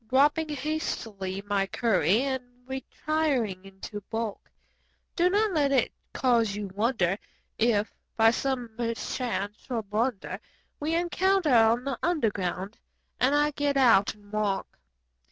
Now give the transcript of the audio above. Dropping hastily my curry and retiring into balk; Do not let it cause you wonder if, by some mischance or blunder. We encounter on the Underground and I get out and walk.